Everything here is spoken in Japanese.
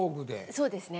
そうですね。